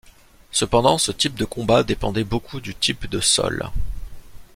Cependant ce type de combat dépendait beaucoup du type de sol.